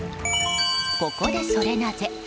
ここでソレなぜ？